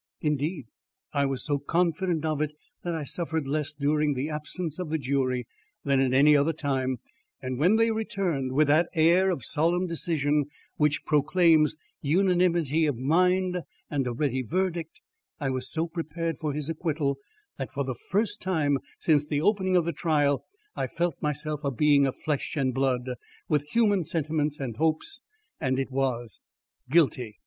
Indeed, I was so confident of it that I suffered less during the absence of the jury than at any other time, and when they returned, with that air of solemn decision which proclaims unanimity of mind and a ready verdict, I was so prepared for his acquittal that for the first time since the opening of the trial, I felt myself a being of flesh and blood, with human sentiments and hopes. And it was: "Guilty!"